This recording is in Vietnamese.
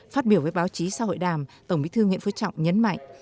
phát biểu với báo chí sau hội đàm tổng bí thư nguyễn phú trọng nhấn mạnh